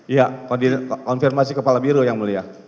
iya konfirmasi kepala biro yang mulia